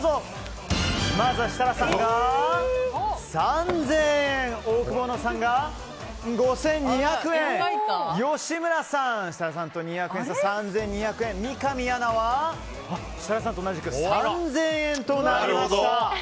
まずはシタラさんが３０００円オオクボーノさんが５２００円吉村さん、設楽さんと２００円差の３２００円三上アナは設楽さんと同じく３０００円となりました。